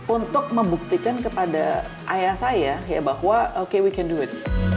untuk membuktikan kepada ayah saya ya bahwa okay we can do it